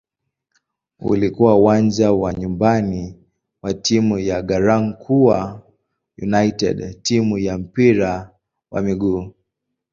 Ulikuwa uwanja wa nyumbani wa timu ya "Garankuwa United" timu ya mpira wa miguu.